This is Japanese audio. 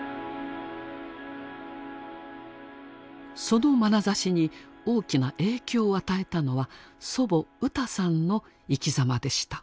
そのまなざしに大きな影響を与えたのは祖母ウタさんの生きざまでした。